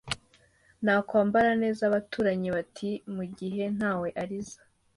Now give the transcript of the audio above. Nakwambara neza abaturanyi bati ni mugihe ntawe ariza,